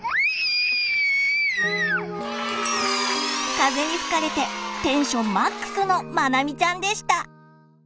風に吹かれてテンションマックスのまなみちゃんでした。